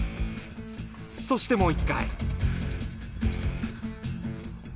そしてもう一回。